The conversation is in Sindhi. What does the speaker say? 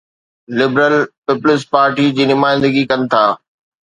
لبرل پيپلز پارٽي جي نمائندگي ڪن ٿا.